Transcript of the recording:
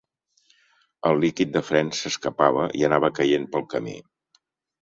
El líquid de frens s'escapava i anava caient pel camí.